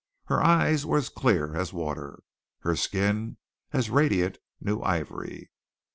Her eyes were as clear as water; her skin as radiant new ivory.